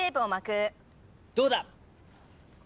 どうだ？